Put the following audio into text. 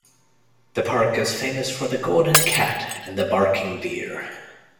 The park is famous for the golden cat and the barking deer.